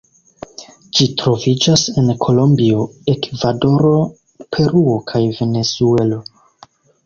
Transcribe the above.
Ĝi troviĝas en Kolombio, Ekvadoro, Peruo kaj Venezuelo.